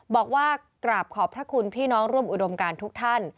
บอกว่ากราบขอบพระคุณพี่น้องร่วมอุดมการทุกท่าน